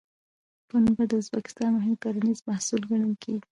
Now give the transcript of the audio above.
پنبه د ازبکستان مهم کرنیز محصول ګڼل کېږي.